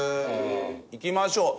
いきましょう。